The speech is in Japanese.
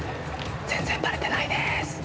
全然バレてないです。